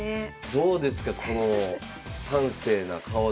どうですかこの端正な顔だち。